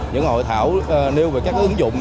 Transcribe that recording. những hội thảo nêu về các ứng dụng